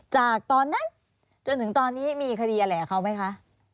จากตอนนั้นจนถึงตอนนี้มีคดีอะไรกับเขาไหมคะ